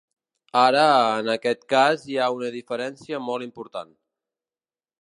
Ara, en aquest cas hi ha una diferència molt important.